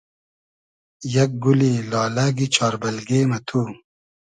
یئگ گولی لالئگی چار بئلگې مہ تو